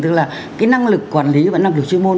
tức là cái năng lực quản lý và năng lực chuyên môn